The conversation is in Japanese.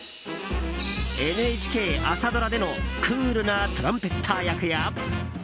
ＮＨＫ朝ドラでのクールなトランペッター役や。